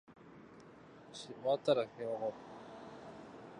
シリーズが進む